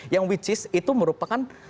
yang which is itu merupakan